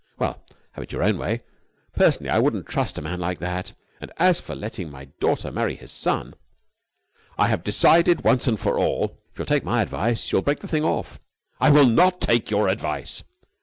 "Well, have it your own way. Personally, I wouldn't trust a man like that. And, as for letting my daughter marry his son...!" "I have decided once and for all...." "If you'll take my advice, you will break the thing off." "I will not take your advice."